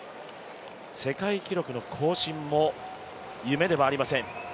世界記録の更新も夢ではありません。